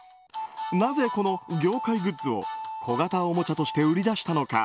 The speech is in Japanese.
なぜこの業界グッズを小型おもちゃとして売り出したのか。